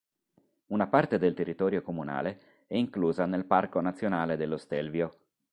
Una parte del territorio comunale è inclusa nel Parco Nazionale dello Stelvio.